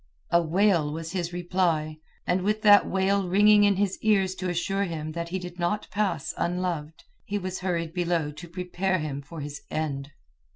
A wail was his reply, and with that wail ringing in his ears to assure him that he did not pass unloved, he was hurried below to prepare him for his end.